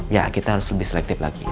ya kita harus lebih selektif lagi